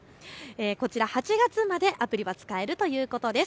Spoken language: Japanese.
こちら８月までアプリは使えるということです。